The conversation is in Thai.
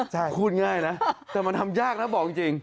ใช่พูดง่ายนะแต่มันทำยากนะบอกจริง